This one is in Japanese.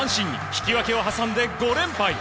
引き分けを挟んで５連敗。